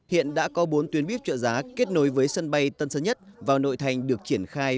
hiện đã có bốn tuyến buýt trợ giá kết nối với sân bay tân sơn nhất vào nội thành được triển khai